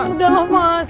udah lah mas